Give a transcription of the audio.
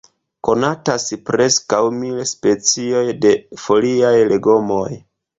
Konatas preskaŭ mil specioj de foliaj legomoj.